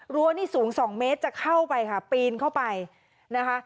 รั้วนี่สูง๒เมตรจะเข้าไปค่ะปีนเข้าไปนะคะ